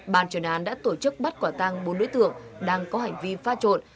bàn truyền án đã tổ chức bắt quả tăng bốn đối tượng đang có hành vi pha trộn